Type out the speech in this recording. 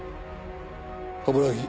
冠城。